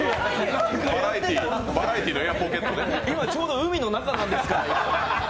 今ちょうど海の中なんですから。